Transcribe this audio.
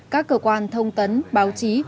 các cơ quan thông tấn báo chí